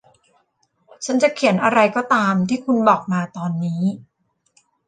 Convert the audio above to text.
ฉันจะเขียนอะไรก็ตามที่คุณบอกมาตอนนี้